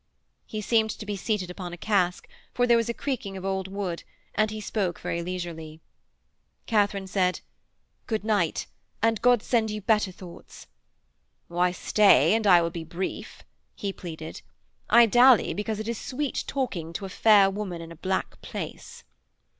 He seemed to be seated upon a cask, for there was a creaking of old wood, and he spoke very leisurely. Katharine said, 'Good night, and God send you better thoughts.' 'Why, stay, and I will be brief,' he pleaded. 'I dally because it is sweet talking to a fair woman in a black place.'